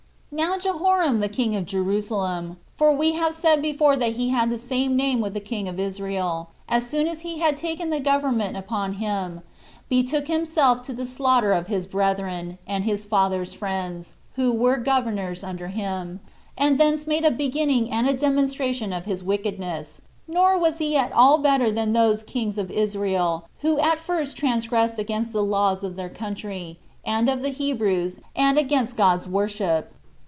1. Now Jehoram the king of Jerusalem, for we have said before that he had the same name with the king of Israel, as soon as he had taken the government upon him, betook himself to the slaughter of his brethren, and his father's friends, who were governors under him, and thence made a beginning and a demonstration of his wickedness; nor was he at all better than those kings of Israel who at first transgressed against the laws of their country, and of the Hebrews, and against God's worship.